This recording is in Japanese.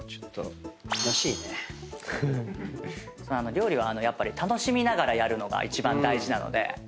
料理は楽しみながらやるのが一番大事なので。